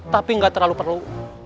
tapi gak terlalu perlu